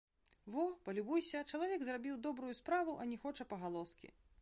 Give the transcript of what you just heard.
Во, палюбуйся, чалавек зрабіў добрую справу, а не хоча пагалоскі.